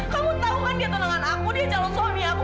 kamu tau kan dia tulangan aku dia calon suami aku